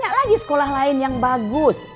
tidak lagi sekolah lain yang bagus